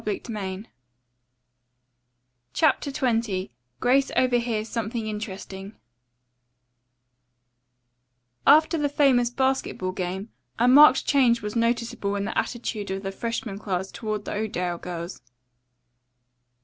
CHAPTER XX GRACE OVERHEARS SOMETHING INTERESTING After the famous basketball game a marked change was noticeable in the attitude of the freshman class toward the Oakdale girls.